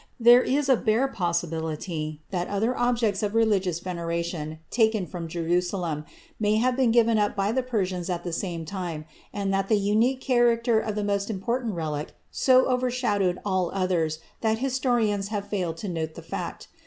There is a bare possibility that other objects of religious veneration, taken from Jerusalem, may have been given up by the Persians at the same time, and that the unique character of the most important relic so overshadowed all others that historians have failed to note the fact.